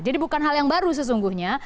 jadi bukan hal yang baru sesungguhnya